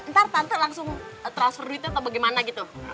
ntar tante langsung transfer duit atau bagaimana gitu